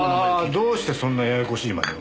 どうしてそんなややこしいまねを？